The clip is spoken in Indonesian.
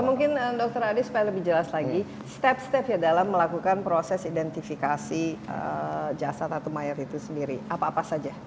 mungkin dokter adi supaya lebih jelas lagi step step ya dalam melakukan proses identifikasi jasa tatu mayat itu sendiri apa apa saja